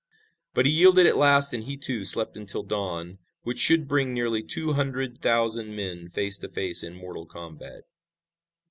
But he yielded at last and he, too, slept until the dawn, which should bring nearly two hundred thousand men face to face in mortal combat.